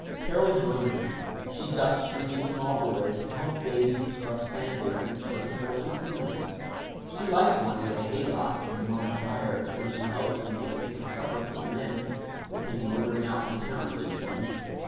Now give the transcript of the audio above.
Carol joined them; she ducked shrieking small boys, and helped babies construct sand basins for unfortunate minnows. She liked Juanita Haydock and Maud Dyer when she helped them make picnic supper for the men, who came motoring out from town each evening.